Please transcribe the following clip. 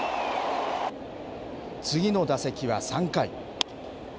次の打席は３回。